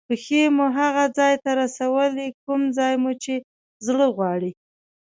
پښې مو هغه ځای ته رسوي کوم ځای مو چې زړه غواړي.